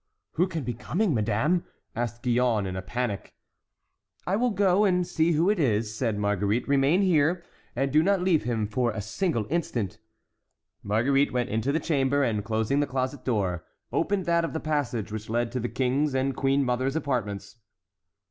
"Who can be coming, madame?" asked Gillonne, in a panic. "I will go and see who it is," said Marguerite; "remain here, and do not leave him for a single instant." Marguerite went into the chamber, and closing the closet door, opened that of the passage which led to the King's and queen mother's apartments.